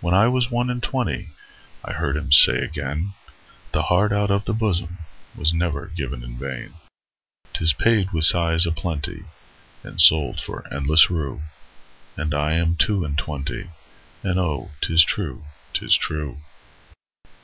When I was one and twentyI heard him say again,'The heart out of the bosomWas never given in vain;'Tis paid with sighs a plentyAnd sold for endless rue.'And I am two and twenty, And oh, 'tis true, 'tis true.